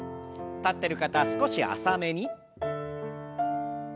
立ってる方少し浅めに。